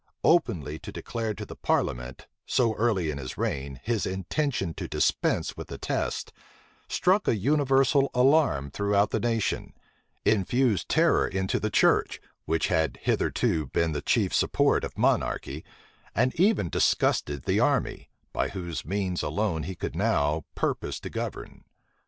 Openly to declare to the parliament, so early in his reign, his intention to dispense with the tests, struck a universal alarm throughout the nation; infused terror into the church, which had hitherto been the chief support of monarchy; and even disgusted the army, by whose means alone he could now purpose to govern.